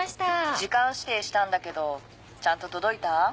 時間指定したんだけどちゃんと届いた？